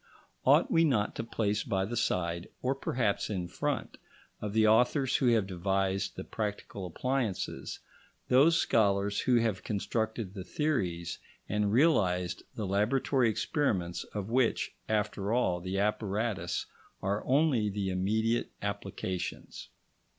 Ought we not to place by the side, or perhaps in front, of the authors who have devised the practical appliances, those scholars who have constructed the theories and realised the laboratory experiments of which, after all, the apparatus are only the immediate applications?